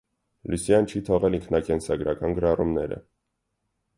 Լյուսիան չի թողել ինքնակենսագրական գրառումները։